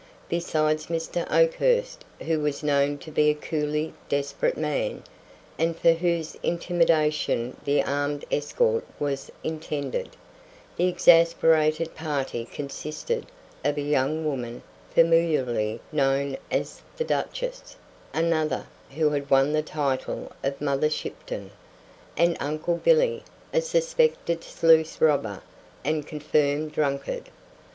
Besides Mr. Oakhurst, who was known to be a coolly desperate man, and for whose intimidation the armed escort was intended, the expatriated party consisted of a young woman familiarly known as the "Duchess"; another, who had won the title of "Mother Shipton"; and "Uncle Billy," a suspected sluice robber and confirmed drunkard.